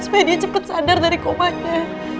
supaya dia cepat sadar dari kopanya